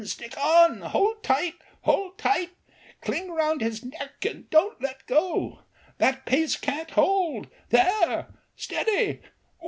Stick on!" " Hould tight! Hould tight !" "Cling round his neck and don't let go —" That pace can't hold, — there ! steady